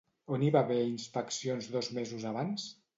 On hi va haver inspeccions dos mesos abans?